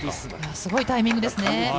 すごいタイミングですね。